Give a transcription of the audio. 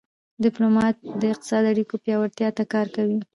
ډيپلومات د اقتصادي اړیکو پیاوړتیا ته کار کوي.